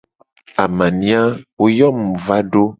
Amania, wo yo mu mu va do.